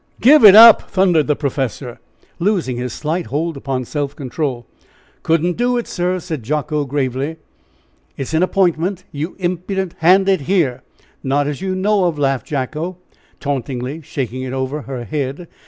"Give it up!" thundered the professor, losing his slight hold upon self control. "Couldn't do it, sir," said Jacko, gravely. "It is an appointment, you impudent ! Hand it here." "Not as you know of!" laughed Jacko, tauntingly shaking it over her head.